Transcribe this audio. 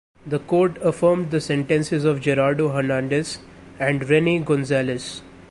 The court affirmed the sentences of Gerardo Hernandez and Rene Gonzalez.